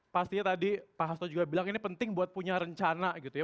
pastinya tadi pak hasto juga bilang ini penting buat punya rencana gitu ya